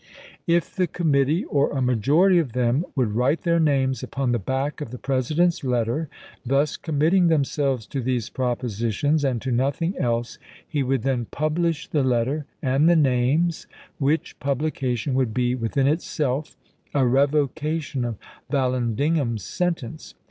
If the committee, or a majority of them, would write their names upon the back of the President's letter, thus committing themselves to these propo sitions and to nothing else, he would then publish Yol. VIL— 23 354 ABBAHAM LINCOLN chap. xn. the letter and the names, which publication would be, within itself, a revocation of Vallandigham's sentence.